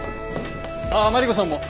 あっマリコさんも。